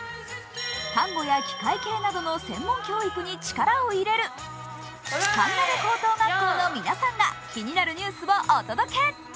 看護や機械系などの専門教育に力を入れる神辺高等学校の皆さんが気になるニュースをお届け。